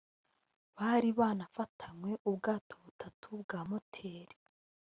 Bari banafatanywe ubwato butatu bwa moteri